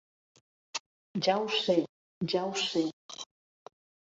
Ja ho sé, ja ho sé!